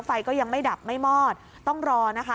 ไฟก็ยังไม่ดับไม่มอดต้องรอนะคะ